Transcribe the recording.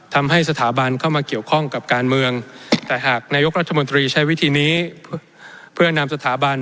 ทำให้สถาบันเข้ามาเกี่ยวข้องกับการเมืองแต่หากนายกรัฐมนตรีใช้วิธีนี้เพื่อนำสถาบัน